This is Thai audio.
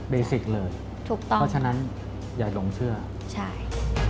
เบสิกเลย